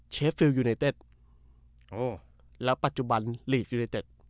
เชฟฟิลด์ยูไนเต็ดแล้วปัจจุบันลีฟยูไนเต็ด